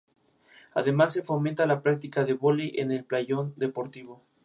Además, se fomenta la práctica de vóley en el playón deportivo.